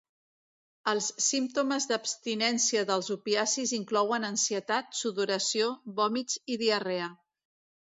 Els símptomes d'abstinència dels opiacis inclouen ansietat, sudoració, vòmits i diarrea.